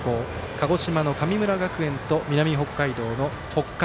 鹿児島の神村学園と南北海道の北海。